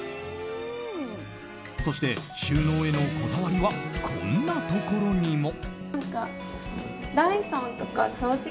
そして収納へのこだわりはこんなところにも。